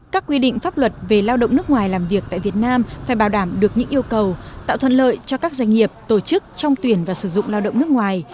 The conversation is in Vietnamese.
các quy định pháp luật về lao động nước ngoài làm việc tại việt nam phải bảo đảm được những yêu cầu tạo thuận lợi cho các doanh nghiệp tổ chức trong tuyển và sử dụng lao động nước ngoài